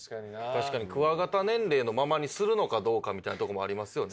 確かにクワガタ年齢のままにするのかどうかみたいなとこもありますよね。